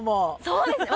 そうですね